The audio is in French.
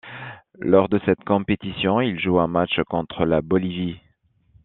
Lors de cette compétition, il joue un match contre la Bolivie.